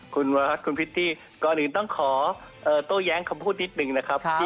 คุณวาภาษณ์คุณพิธีก่อนอื่นต้องขอเอ่อโต้แย้งคำพูดนิดหนึ่งนะครับครับ